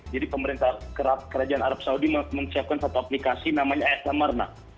jadi pemerintah kerajaan arab saudi menyiapkan satu aplikasi namanya asmr